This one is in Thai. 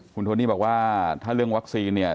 คุณโทนี่บอกว่าถ้าเรื่องวัคซีนเนี่ย